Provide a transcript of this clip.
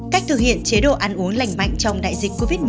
cách thực hiện chế độ ăn uống lành mạnh trong đại dịch covid một mươi chín